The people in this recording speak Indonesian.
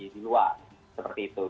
di luar seperti itu